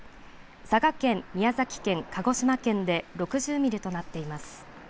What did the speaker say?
佐賀県、宮崎県、鹿児島県で６０ミリとなっています。